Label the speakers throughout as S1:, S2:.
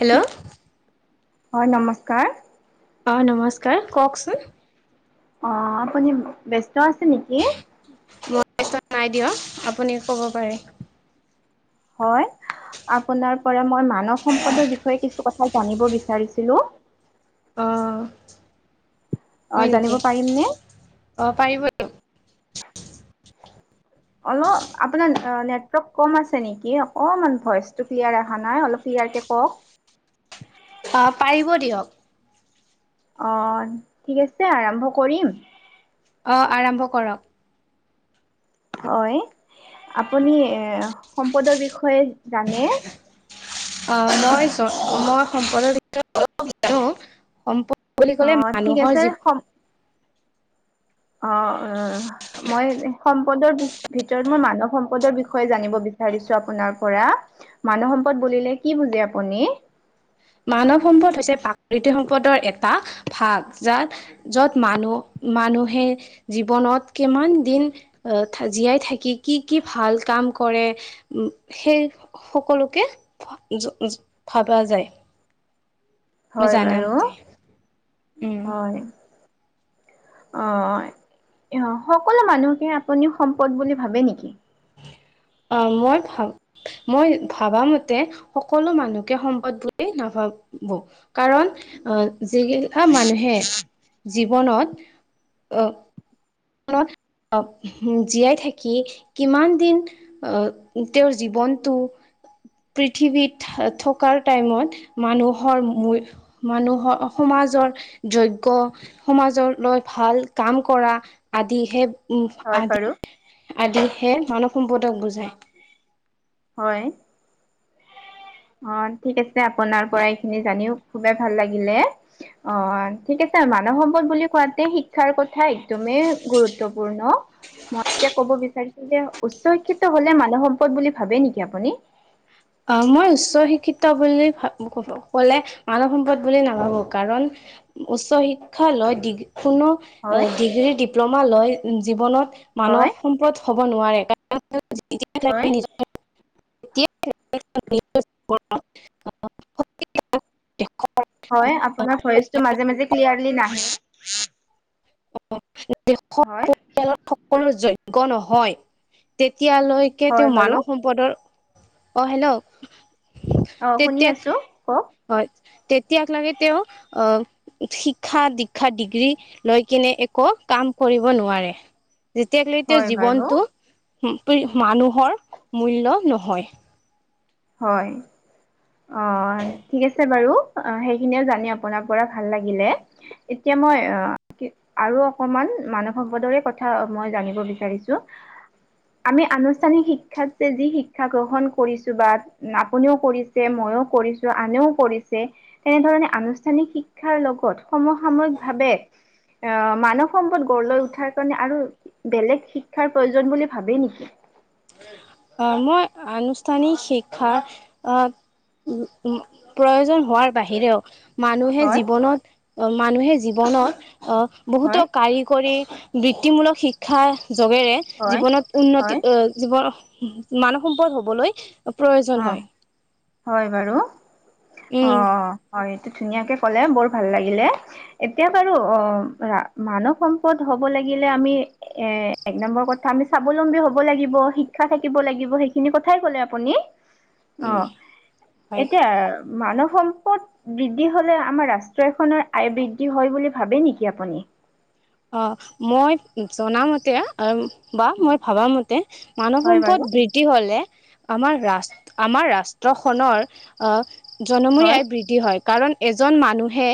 S1: Hello?
S2: হয়, নমস্কাৰ।
S1: অ' নমস্কাৰ, কওঁকচোন।
S2: অ', আপুনি ব্যস্ত আছে নেকি?
S1: মই ব্যস্ত নাই দিয়ক। আপুনি ক'ব পাৰে।
S2: হয়, আপোনাৰ পৰা মই মানৱ সম্পদৰ বিষয়ে কিছু কথা জানিব বিচাৰিছিলোঁ।
S1: অ
S2: অ
S1: হয়
S2: জানিব
S1: নেকি?
S2: পাৰিমনে
S1: অ পাৰিব
S2: অলপ আপোনাৰ নেটৱৰ্ক কম আছে নেকি? অকণমান ভইচটো ক্লিয়াৰ অহা নাই, অলপ ক্লিয়াৰকে কওক।
S1: আ পাৰিব দিয়ক।
S2: অ ঠিক আছে আৰম্ভ কৰিম।
S1: অ আৰম্ভ কৰক।
S2: হয় আপুনি এ সম্পদৰ বিষয়ে জানে।
S1: অ মই মই সম্পদৰ বিষয়ে অলপ জানো সম্পদ বুলি
S2: অ
S1: ক'লে
S2: ঠিক
S1: মানুহৰ
S2: আছে
S1: জিৱ
S2: সম অ উ। মই সম্পদৰ ভিতৰত মই মানৱ সম্পদৰ বিষয়ে জানিব বিচাৰিছো আপোনাৰ পৰা, মানুহ সম্পদ বুলিলে কি বুজে আপুনি?
S1: মানৱ সম্পদ হৈছে প্ৰাকৃতিক সম্পদৰ এটা ভাগ যাত য'ত মানুহ, মানুহে জীৱনত কিমান দিন আহ জীয়াই থাকি কি কি ভাল কাম কৰে সেই সকলোকে য য ভাবা যায়। মই
S2: হয়
S1: জানা
S2: বাৰু
S1: মতে।
S2: হয়। অ সকলো মানুহকে আপুনি সম্পদ বুলি ভাবে নেকি?
S1: অ মই ভাব মই ভাবা মতে সকলো মানুহকে সম্পদ বুলি নাভাবো। কাৰণ আহ জিগিলা মানুহে জীৱনত আহ ত জীয়াই থাকি কিমান দিন আহ তেওঁৰ জীৱনটো পৃথিৱীত থকাৰ টাইমত মানুহৰ মানুহৰ সমাজৰ যোগ্য সমাজলৈ ভাল কাম কৰা আদিহে উম
S2: হয়
S1: আদি
S2: বাৰু
S1: আদিহে মানৱ সম্পদক বুজায়।
S2: হয়।
S1: [inaudible]
S2: ঠিক আছে আপোনাৰ পৰা এইখিনি জানিও খুবেই ভাল লাগিলে, অ ঠিক মানৱ সম্পদ বুলি কোৱাতে শিক্ষাৰ কথা একদমেই গুৰুত্বপূৰ্ণ। মই এতিয়া ক'ব বিচাৰিছো যে উচ্চ শিক্ষিত হ'লে মানৱ সম্পদ বুলি ভাবে নেকি আপুনি?
S1: অ মই উচ্চ শিক্ষিত বুলি ভাব ক'লে মানৱ সম্পদ বুলি নাভাবো কাৰণ উচ্চ শিক্ষা লৈ ডিগ্ৰী কোনো
S2: হয়,
S1: ডিগ্ৰীৰ ডিপ্লমা লয় জীৱনত মানৱ
S2: হয়,
S1: সম্পদ হ'ব নোৱাৰে।
S2: হয়,
S1: [unintelligible] [unintelligible]
S2: হয় আপোনাৰ ভইচটো মাজে মাজে ক্লিয়াৰলি নাহে।
S1: [unintelligible]
S2: হয়।
S1: সকলো যোগ্য নহয় তেতিয়ালৈকে
S2: হয়
S1: তেওঁ
S2: বাৰু
S1: মানৱ সম্পদৰ অ হেল্ল!
S2: অ শুনি
S1: তেতিয়া
S2: আছো কওক।
S1: হয় তেতিয়াক লাগে তেওঁ অ শিক্ষা দীক্ষা ডিগ্ৰী লৈ কিনে একো কাম কৰিব নোৱাৰে যেতিয়াক লেতিয়াক
S2: হয় বাৰু
S1: জীৱনতটো মানুহৰ মূল্য নহয়
S2: হয় অ', ঠিক আছে বাৰু। অ', সেইখিনিয়ও জানি আপোনাৰ পৰা, ভাল লাগিলে। এতিয়া মই আ', কি আৰু অকমান, মানৱ সম্পদৰে কথা মই জানিব বিচাৰিছো। আমি আনুষ্ঠানিক শিক্ষাত যে, যি শিক্ষা গ্ৰহণ কৰিছ বাট আপুনিও কৰিছে, ময়ও কৰিছো, আনেও কৰিছে। তেনেধৰণে আনুষ্ঠানিক শিক্ষাৰ লগত, সমসাময়িকভাৱে আ' মানৱ সম্পদ, গঢ় লৈ উঠাৰ কাৰণে আৰু বেলেগ শিক্ষাৰ, প্ৰয়োজন বুলি ভাবে নিকি
S1: আ মই আনুষ্ঠানিক শিক্ষা আ' উম উম, প্ৰয়োজন হোৱাৰ বাহিৰেও মানুহে
S2: হয়
S1: জীৱনত, মানুহে জীৱনত, অহ' বহুতো
S2: হয়
S1: কাৰিকৰী বৃত্তিমূলক শিক্ষাৰ জগেৰে,
S2: হয়
S1: জীৱনত
S2: হয়
S1: উন্নতি অ জীৱন, মানৱ সম্পদ হ'বলৈ প্ৰয়োজন
S2: অ
S1: হয়।
S2: হয় বাৰু,
S1: উম
S2: অ' হয়, এইটো ধুনীয়াকে ক'লে, বৰ ভাল লাগিলে। এতিয়া বাৰু অ' মানৱ সম্পদ হব লাগিলে আমি এ এক নম্বৰ কথা, আমি স্বাৱলম্বী হব লাগিব, শিক্ষা থাকিব লাগিব, সেইখিনি কথাই কলে আপুনি।
S1: উম
S2: অঁ',
S1: হয়
S2: এতিয়া মানৱ সম্পদ বৃদ্ধি হলে, আমাৰ ৰাষ্ট্ৰ এখনৰ আয় বৃদ্ধি হয় বুলি, ভাবে নিকি আপুনি
S1: অ' মই জনা মতে অ বা মই ভবা মতে মানৱ
S2: হয়
S1: সম্পদ
S2: বাৰু
S1: বৃদ্ধি হলে, আমাৰ ৰাষ্ আমাৰ ৰাষ্ট্ৰখনৰ আ জনমূৰী
S2: হয়
S1: আই বৃদ্ধি হয়। কাৰণ, এজন মানুহে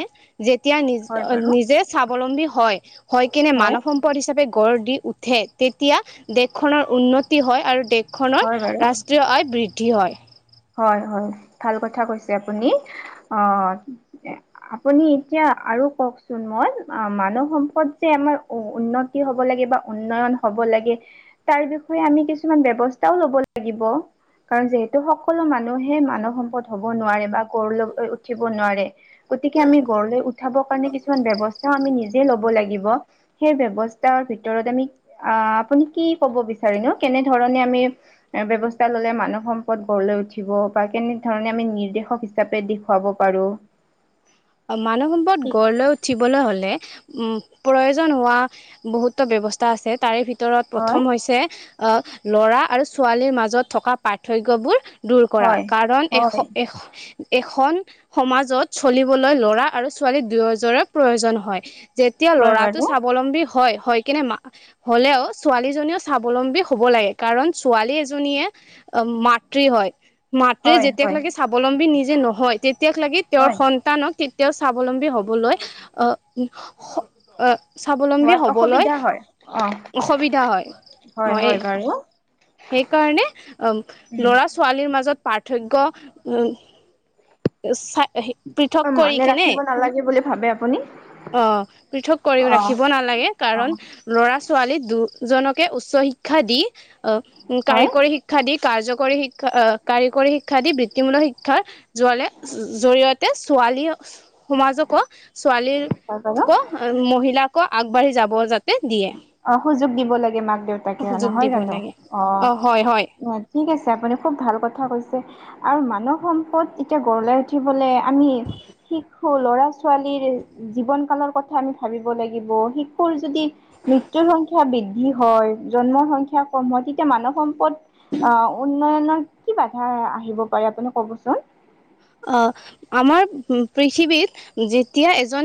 S1: যেতিয়া নিজ,
S2: হয় বাৰু
S1: নিজে স্বাৱলম্বী হয়, হয় কেনে মানৱ সম পদ হিচাপে গঢ় দি উঠে, তেতিয়া দেশখনৰ উন্নতি হয়, আৰু দেশ খনৰ,
S2: হয়
S1: ৰাষ্ট্ৰীয় আয় বৃদ্ধি হয়।
S2: হয়-হয়, ভাল কথা কৈছে আপুনি অ' আপুনি এতিয়া আৰু কওকচোন মই, আ মানৱ সম্পদ যে আমাৰ, উ উন্নত তি হ'ব লাগে বা উন্নয়ন হ'ব লাগে, তাৰ বিষয়ে, আমি কিছুমান ব্যৱস্থাও লব লাগিব কাৰণ, যিহেতু সক সকলো মানুহে মানৱ সম্পদ হ'ব নোৱাৰে, বা গঢ় লৈ উঠিব নোৱাৰে। গতিকে আমি গড়লৈ উঠাবৰ কাৰণে, কিছুমান ব্যৱস্থা আমি নিজে ল'ব লাগিব। সেই ব্যৱস্থাৰ ভিতৰত আমি, আ' আপুনি কি কব বিচাৰ নো কেনেধৰণে আমি এ ব্যৱস্থা ললে, মানৱ সম্পদ গড়লৈ উঠিব, বা কেনে ধৰণে আমি, নিৰ্দেশক হিচাপে দেখুৱাব পাৰো।
S1: অ' মানৱ সম্পদ
S2: ঠিক
S1: গঢ় লৈ উঠিবলৈ হ'লে, উম প্ৰয়োজন হোৱা বহুতো ব্যৱস্থা আছে তাৰে ভিত ভিতৰত প্ৰথম
S2: হয়
S1: হৈছে, অ ল'ৰা আৰু ছোৱালীৰ মাজত থকা পাৰ্থক্যবোৰ দূৰ কৰা
S2: হয়
S1: কাৰণ, এশ
S2: হয়
S1: এ এখন সমাজত চলিব লৈ ল'ৰা আৰু ছোৱালী দুয়োজৰে প্ৰয়োজন হয়। যেতিয়া
S2: হয়
S1: লৰাটো
S2: বাৰু
S1: স্বাৱলম্বী হয়, হয় কেনে হ'লেও, ছোৱালীজনীও স্বাৱলম্বী হব লাগে কাৰণ ছোৱালী এজনীয়ে অ' মাতৃ হয়। মাতৃ
S2: হয় হয়
S1: যেতিয়াকলাগি স্বাৱলম্বী নিজে নহয়, তেতিয়াকলাগি তেওঁৰ
S2: হয়
S1: সন ন্তান তেতিয়াও স্বাৱলম্বী হবলৈ অ হ অ স্বাৱলম্বী
S2: হোৱাত
S1: হ'বলৈ,
S2: অসুবিধা হয় অ
S1: অসুবিধা হয়। সেইকাৰণে অ'
S2: উম
S1: ল'ৰা ছোৱালীৰ মাজত পাৰ্থক্য পৃথক কৰি
S2: মানে,
S1: কিনে
S2: ৰাখিব নালাগে বুলি ভাবে আপুনি?
S1: অ', পৃথক কৰি
S2: অ
S1: ৰাখিব নালাগে।
S2: অ
S1: কাৰণ ল'ৰা ছোৱালী দুজনকে উচ্চ শিক্ষা দি, আহ'
S2: হয়
S1: কাৰিকৰী শি শিক্ষা দি কাৰ্যকৰী শিক্ষা কাৰিকৰী শিক্ষা দি বৃত্তিমূলক শিক্ষাৰ যোৱালে জৰিয়তে তে ছোৱালী সমাজকো ছোৱালীৰ ক
S2: [inaudible]
S1: মহিলাকো আগবাঢ়ি যাব যাতে দিয়ে।
S2: অ', সুযোগ দিব লাগে মাক দেউতাকে
S1: সুযোগ
S2: নহয়,
S1: দিব
S2: জানো
S1: লাগে
S2: অ'।
S1: হয় হয়
S2: ঠিকে আছে আপুনি খুব ভাল কথা কৈছে। আৰু মানৱ সম্পদ এতিয়া গঢ় লৈ উঠিবলৈ আমি সিকো ল'ৰা-ছোৱালীৰ জীৱন কালৰ কথা আমি ভাবিব লাগিব, শিশুৰ যদি মৃত্যুৰ সংখ্যা বৃদ্ধি হয়, জন্মৰ সংখ্যা কম হয় তেতিয়া মানৱ সম্পদ অ', উন্নয়নৰ কি বাধা আহিব পাৰে আপুনি ক'বচোন?
S1: অ', আমাৰ পৃথিৱীত যেতিয়া এজন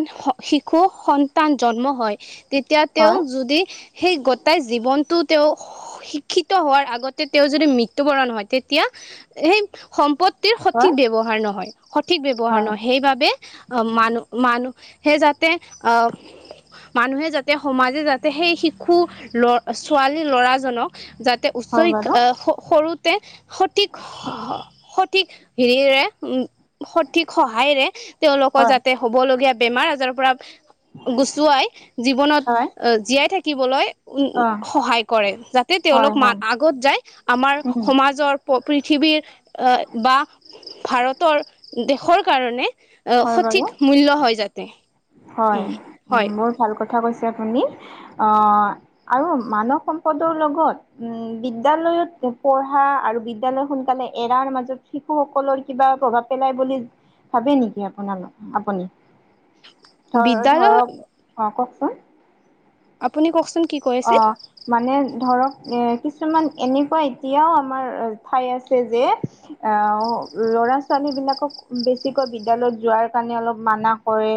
S1: শিশু সন্তান জন্ম হয়, তেতিয়া তেওঁ
S2: হয়
S1: যদি সেই গোটাই জীৱনটো তেওঁ শিক্ষিত হোৱাৰ আগতে তেওঁ যদি মৃত্যুবৰণ হয়, তেতিয়া সেই সম্পদ
S2: হয়
S1: সঠিক ব্যৱহাৰ নহয়, সঠিক ব্যৱহাৰ
S2: হয়
S1: নহয়, সেইবাবে অ', মানু-মানুহে যাতে অ' মানুহে যাতে সমাজে যাতে সেই শিশু ছোৱালী ল'ৰাজনক যাতে উচ্চ
S2: হয়
S1: শিক্ষা
S2: বাৰু
S1: আহ সৰুতে সঠিক সঠিক হেৰিৰে উম, সঠিক সহায়ৰে তেওঁলোকৰ
S2: হয়
S1: যাতে হ'বলগীয়া বেমাৰ আজাৰৰ পৰা গুচুৱাই, জীৱনত
S2: হয়
S1: আহ, জীয়াই থাকিবলৈ উ,
S2: অ
S1: সহায় কৰে যাতে তেওঁলোক
S2: হয় হয়
S1: আগত যায়। আমাৰ
S2: উম
S1: সমাজৰ পৃথিৱীৰ বা ভাৰতৰ দেশৰ কাৰণে অ',
S2: হয়
S1: সঠিক
S2: বাৰু
S1: মূল্য হয় যাতে।
S2: হয়,
S1: উম হয়
S2: বহুত ভাল কথা কৈছে আপুনি। অ' আৰু মানৱ সম্পদৰ লগত বিদ্যালয়ৰ পঢ়া আৰু বিদ্যালয় সোনকালে এৰাৰ মাজত শিশুসকলৰ কিবা প্ৰভাৱ পেলাই বুলি ভাবে নেকি আপোনালোক আপুনি? ধৰ
S1: বিদ্যালয়
S2: ধৰক অ', কওকচোন।
S1: আপুনি কওকচোন কি কৈ
S2: অ
S1: আছিল?
S2: মানে ধৰক এ কিছুমান এনেকুৱা এতিয়াও আমাৰ ঠাই আছে যে। আহ, ল'ৰা-ছোৱালী বিলাকক বেছিকৈ বিদ্যালয়ত যোৱাৰ কাৰণে অলপ মানা কৰে।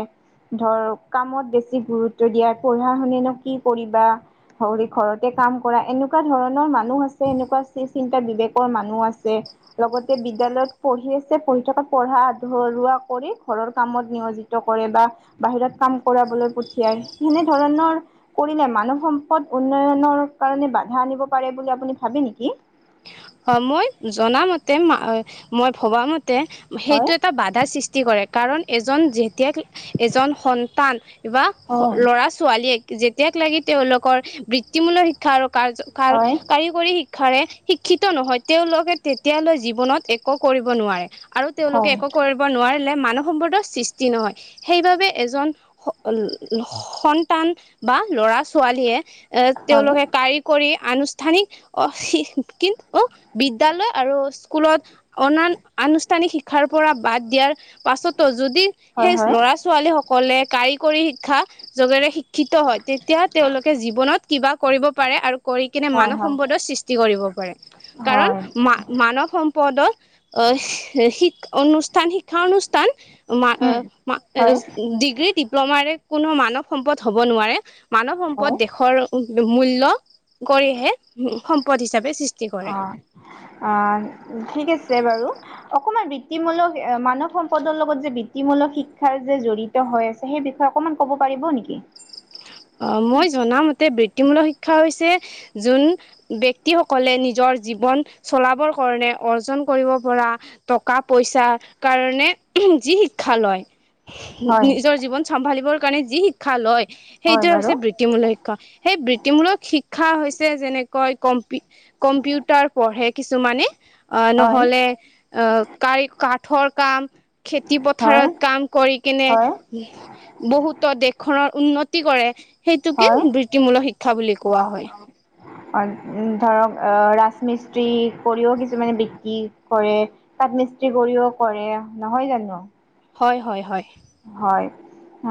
S2: ধৰ কামত বেছি গুৰুত্ব দিয়া, পঢ়া শুনি নো কি কৰিবা। ধৰি ঘৰতে কাম কৰাই এনেকুৱা ধৰণৰ মানুহ আছে এনেকুৱা চি চিন্তা বিবেকৰ মানুহ আছে। লগতে বিদ্যালয়ত পঢ়ি আছে, পঢ়ি থকাত পঢ়া আধৰুৱা কৰি ঘৰৰ কামত নিয়োজিত কৰে বা বাহিৰত কাম কৰাবলৈ পঠিয়াই, তেনেধৰণৰ কৰিলে মানুহ সম্প পথ উন্নয়নৰ কাৰণে বাধা আনিব পাৰে বুলি আপুনি ভাবে নেকি?
S1: হয়, মই জনা মতে মই ভবা মতে
S2: হয়
S1: সেইটো এটা বাধা সৃষ্টি কৰে। কাৰণ এজন যেতিয়া এজন সন্তান বা
S2: হয়
S1: ল'ৰা ছোৱালীয়ে যেতিয়াক লাগি তেওঁলোকৰ বৃত্তিমূল্য শিক্ষা আৰু কাৰ, কাৰ, কাৰ কৰি শিক্ষাৰে শিক্ষিত নহয়, তেওঁলোকে তেতিয়ালৈ জীৱনত একো কৰিব নোৱাৰে। আৰু তেওঁলোকে
S2: হয়
S1: একো কৰিব নোৱাৰিলে মানৱ সম্পদৰ সৃষ্টি নহয়। সেইবাবে এজন স সন্তান বা ল'ৰা ছোৱালীয়ে এ
S2: হয়
S1: তেওঁলোকে কাৰিকৰী আনুষ্ঠানিক শ অ' বিদ্য়ালয় আৰু স্কুলত অনান আনুষ্ঠানিক শিক্ষাৰ পৰা বাদ দিয়াৰ পাছতো যদি সেই
S2: হয়
S1: ল'ৰা-ছোৱালী সকলে কাৰিকৰী শিক্ষা যোগেৰে শিক্ষিত হয়, তেতিয়া তেওঁলোকে জীৱনত কিবা কৰিব পাৰে আৰু কৰি কিনে
S2: হয় হয়
S1: মানৱ
S2: হয়
S1: সম্পদৰ সৃষ্টি কৰিব পাৰে কাৰণ
S2: হয়
S1: মা মানৱ সম্পদত আহ শি অনুষ্ঠান শিক্ষা অনুষ্ঠান মা,
S2: উম
S1: মা
S2: হয় হয়
S1: ডিগ্ৰী, ডিপ্ল'মাৰে কোনো মানৱ সম্পদ হব নোৱাৰে। মানৱ
S2: হয়
S1: সম্পদ দেশৰ মূল্য কৰিহে সম্পদ হিচাপে সৃষ্টি টি কৰে।
S2: অ অ' ঠিক আছে বাৰু। অকমান বৃত্তিমূলক মানৱ সম্পদৰ লগত যে বৃত্তিমূলক শিক্ষাৰ যে জড়ি জড়িত হৈ আছে সেই বিষয়ে অকণমান ক'ব পাৰিব নেকি?
S1: অ' মই জনামতে বৃত্তিমূলক শিক্ষা হৈছে যোন ব্যয়ক্তি সকলে নিজৰ জীৱন চলাবৰ কাৰণে অৰ্জন কৰিব পৰা টকা পইচাৰ কাৰণে যি শিক্ষা লয়।
S2: হয়
S1: নিজৰ জীৱন চম্ভালিবৰ কাৰণে যি শিক্ষা লয়
S2: হয়
S1: সেইটোৱে
S2: বাৰু
S1: হৈছে বৃত্তিমূলক শিক্ষা সেই বৃত্তিমূলক শিক্ষা হৈছে যেনেকৈ কম্পি কম্পিউটাৰ পঢ়ে কিছুমানে। আহ
S2: হয়
S1: নহলে আহ কাৰ কাঠৰ কাম। খেতি
S2: হয়
S1: পথাৰত কাম কৰি কেনে
S2: হয়
S1: বহুতো দেশখনৰ উন্নত উন্নতি কৰে সেইটোকে
S2: হয়।
S1: বৃত্তিমূলক শিক্ষা বুলি কোৱা হয়।
S2: অ' ধৰক আহ ৰাজমিস্ত্ৰী কৰিও কিছুমানে বৃদ্ধি কৰে। কাঠ মিস্ত্ৰী কৰিও কৰে নহয় জানো।
S1: হয়, হয়, হয়।
S2: হয়।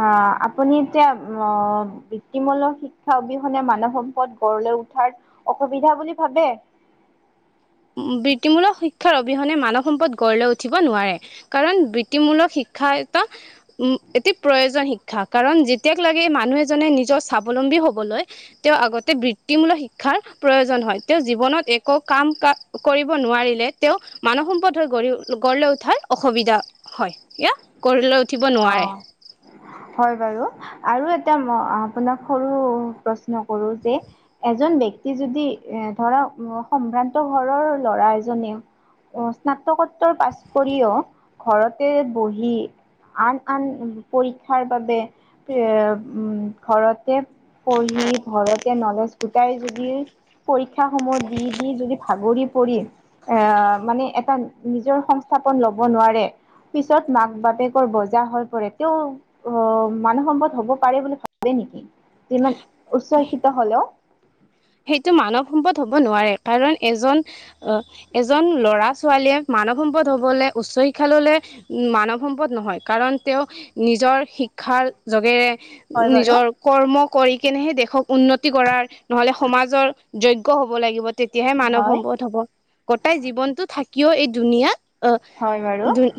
S2: অ' আপুনি যে অ' বৃত্তিমূলক শিক্ষা অবিহনে মানৱ সম্পদ গড়লৈ উঠাৰ অসুবিধা বুলি ভাবে।
S1: বৃত্তিমূলক শিক্ষাৰ অবিহনে মানৱ সম্পদ গঢ় লৈ উঠিব নোৱাৰে। কাৰণ বৃত্তিমূলক শিক্ষা এটা উম, এটি প্ৰয়োজন শিক্ষা কাৰণ যেতিয়াক লাগে মানুহ এজনে নিজৰ স্বাৱলম্বী হ'বলৈ তেওঁৰ আগতে বৃত্তিমূলক শিক্ষাৰ প্ৰয়োজন হয় তেওঁ জীৱনত একো কাম ক কৰিব নোৱাৰিলে তেওঁ মানৱ সম্পদ হৈ গঢ়ি গঢ় লৈ উঠাৰ অসুবিধা হয় এয়া গঢ় লৈ উঠিব নোৱাৰে।
S2: অ' হয় বাৰু আৰু এটা আপোনাক সৰু প্ৰশ্ন কৰো যে এজন যদি ধৰা সম্ভ্ৰান্ত ঘৰৰ ল'ৰা এজনে স্নাতকোত্তৰ পাছ কৰিও ঘৰতে বহি আন, আন পৰীক্ষাৰ বাবে উম, ঘৰতে পঢ়ি ঘৰতে নলেজ গোটাই যদি পৰীক্ষা সমূহ দি, দি যদি ভাগৰি পৰি আহ, মানে এটা নিজৰ সংস্থাপন লব নোৱাৰে পিছত মাক বাপেক কৰ বজা হৈ পৰে। তেওঁ মানৱ সম্পদ হ'ব পাৰে বুলি ভাবে নেকি? যিমান উচ্চ শিক্ষিত হলেও-
S1: সেইটো মানৱ সম্পদ হ'ব নোৱাৰে, কাৰণ এজন- অহ এজন লৰা ছোৱালীয়ে মানৱ সম্পদ হবলে উচ্চ শিক্ষা ললে- উম মানৱ সম্পদ নহয়, কাৰণ তেওঁ নিজৰ শিক্ষাৰ যগেৰে-
S2: হয় বাৰু
S1: নিজৰ কৰ্ম কৰি কিনেহে দেশক উন্নতি কৰাৰ নহলে- সমাজৰ যজ্ঞ হব লাগিব, তেতিয়াহে মানৱ
S2: হয়
S1: সম্পদ হ'ব। গোটাই জীৱনটো থাকিও এই দুুনীয়াত আহ
S2: হয় বাৰু
S1: দুন-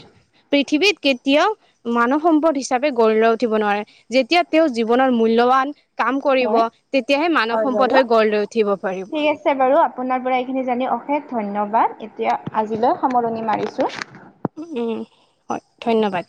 S1: পৃথিৱীত কেতিয়াও- মানৱ সম্পদ হিচাপে গঢ় লৈ উঠিব নোৱাৰে। যেতিয়া তেওঁ জীৱনৰ মূল্যৱান- কাম কৰিব,
S2: হয়
S1: তেতিয়াহে মানৱ
S2: হয়
S1: সম্পদ
S2: বাৰু
S1: হৈ গঢ় লৈ উঠিব পাৰিব।
S2: ঠিক আছে বাৰু, আপোনাৰ পৰা এইখিনি জানি অশেষ ধন্যবাদ। এতিয়া আজিলৈ সামৰণি মাৰিছোঁ।
S1: উম উম' হয় ধন্যবাদ।